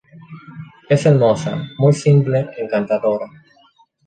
Es hermosa, muy simple, encantadora.